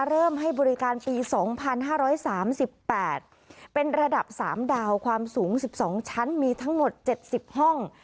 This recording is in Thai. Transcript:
ให้บริการปี๒๕๓๘เป็นระดับ๓ดาวความสูง๑๒ชั้นมีทั้งหมด๗๐ห้อง